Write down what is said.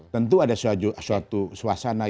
tentu ada suatu